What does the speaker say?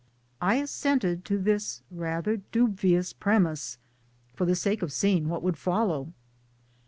I assented to this rather dubious premise, for the sake of seeing what would follow